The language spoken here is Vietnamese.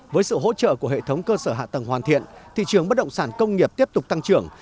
với sự hỗ trợ của hệ thống cơ sở hạ tầng hoàn thiện thị trường bất động sản công nghiệp tiếp tục tăng trưởng